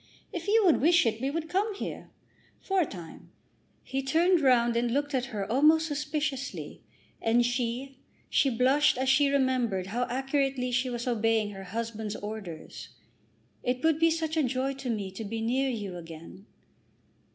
If you would wish it, we would come here, for a time." He turned round and looked at her almost suspiciously; and she, she blushed as she remembered how accurately she was obeying her husband's orders. "It would be such a joy to me to be near you again."